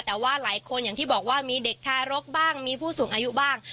แต่ว่าหลายคนอย่างที่บอกว่ามีเด็กทารกบ้างมีผู้สูงอายุบ้าง